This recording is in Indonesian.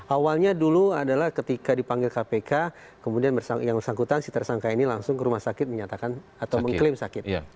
awalnya dulu adalah ketika dipanggil kpk kemudian yang bersangkutan si tersangka ini langsung ke rumah sakit menyatakan atau mengklaim sakit